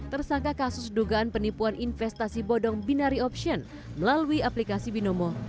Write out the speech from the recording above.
tersangka kasus dugaan penipuan investasi bodong binari option melalui aplikasi binomo